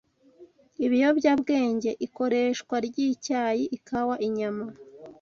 ibiyobyabwenge, ikoreshwa ry’icyayi, ikawa, inyama